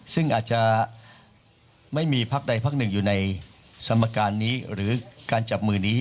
ซึ่งอาจจะไม่มีพักใดพักหนึ่งอยู่ในสมการนี้หรือการจับมือนี้